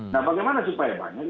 nah bagaimana supaya banyak